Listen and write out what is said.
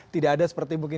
tidak ada seperti mungkin